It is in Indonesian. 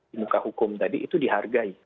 di muka hukum tadi itu dihargai